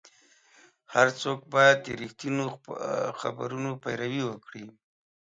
هر څوک باید د رښتینو خبرونو پیروي وکړي.